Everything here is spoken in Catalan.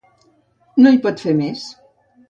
No hi pot fer més.